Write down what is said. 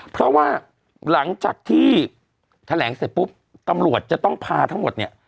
เพราะว่าหลังจากที่แถลงเสร็จปุ๊บตำรวจจะต้องพาทั้งหมดเนี่ย